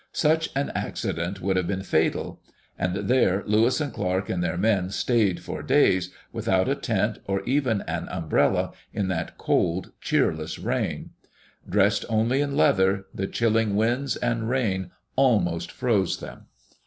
Such an accident would have been fatal. And there Lewis and Clark and their men stayed for days, without a tent or even an umbrella, in that cold, cheerless rain. Dressed only in leather, the chilling winds and rain almost froze them.